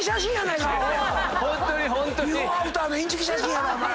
ビフォーアフターのインチキ写真やわお前。